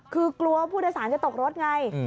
คือกลัวผู้โดยสารจะตกรถไง